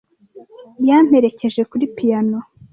Yamperekeje kuri piyano.